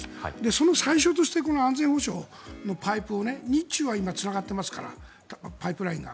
その最初として安全保障のパイプを日中は今、つながっていますからパイプラインが。